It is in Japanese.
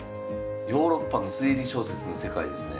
ヨーロッパの推理小説の世界ですね。